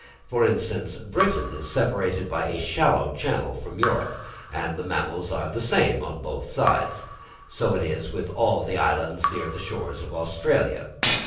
For instance, Britain is separated by a shallow channel from Europe, and the mammals are the same on both sides; and so it is with all the islands near the shores of Australia.